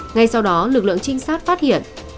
ngay sau đó lực lượng trinh sát phát hiện